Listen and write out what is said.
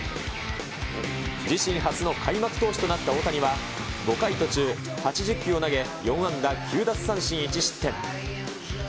自身初の開幕投手となった大谷は、５回途中８０球を投げ、４安打９奪三振１失点。